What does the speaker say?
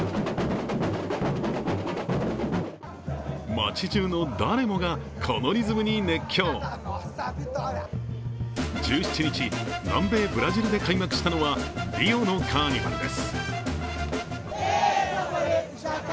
街中の誰もが、このリズムに熱狂１７日、南米ブラジルで開幕したのはリオのカーニバルです。